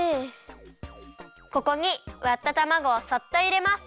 ここにわったたまごをそっといれます。